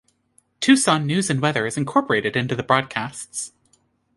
Tucson news and weather is incorporated into the broadcasts.